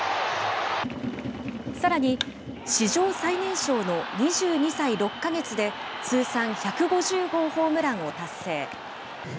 さらに、史上最年少の２２歳６か月で、通算１５０号ホームランを達成。